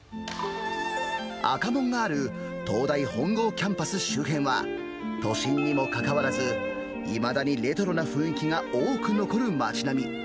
赤門がある東大本郷キャンパス周辺は、都心にもかかわらず、いまだにレトロな雰囲気が多く残る町並み。